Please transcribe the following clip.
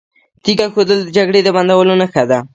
تیږه ایښودل د جګړې د بندولو نښه ده.